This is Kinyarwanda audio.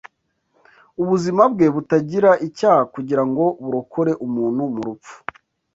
ubuzima bwe butagira icyaha kugira ngo burokore umuntu mu rupfu.